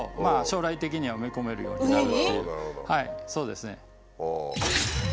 はいそうですね。